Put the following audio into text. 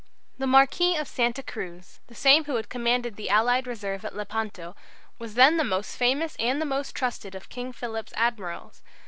The Marquis of Santa Cruz, the same who had commanded the allied reserve at Lepanto, was then the most famous and the most trusted of King Philip's admirals.